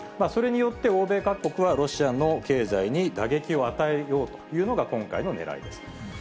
それによって、欧米各国はロシアの経済に打撃を与えようというのが、今回のねらいです。